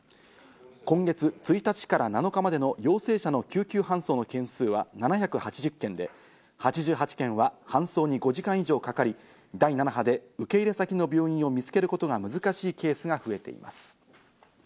今月１日から７日までの陽性者の救急搬送の件数は７８０件で、８８件は搬送に５時間以上かかり、第７波で受け入れ先の病院を見つけることが難しいケースが増えています。